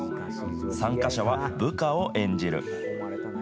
参加者は部下を演じる。